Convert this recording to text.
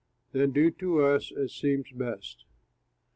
Then do to us as seems best."